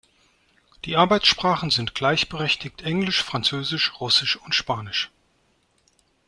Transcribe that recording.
Die Arbeitssprachen sind gleichberechtigt Englisch, Französisch, Russisch und Spanisch.